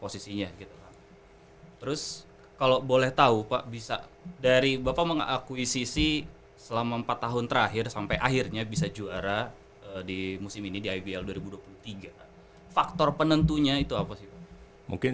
semua orang mempunyai kepentingan